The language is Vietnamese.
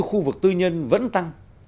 khu vực tư nhân vẫn tăng